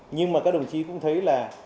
nhưng mà các đồng chí cũng thấy là